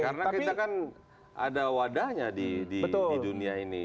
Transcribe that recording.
karena kita kan ada wadahnya di dunia ini